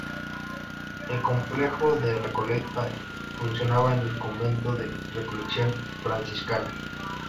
El complejo de Recoleta funcionaba el convento de Recolección Franciscana.